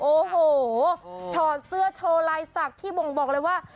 โอ้โหถอดเสื้อโชว์ลายศักดิ์ที่บ่งบอกเลยว่า